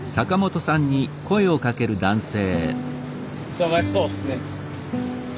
忙しそうっすね。